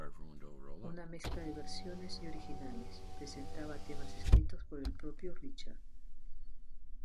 Una mezcla de versiones y originales, presentaba temas escritos por el propio Richard.